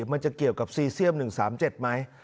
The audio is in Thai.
มันจะเกี่ยวกับซีเซียม๑๓๗ไหม